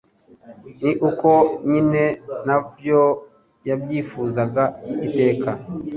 ni uko nyine nabyo yabyifuzaga iteka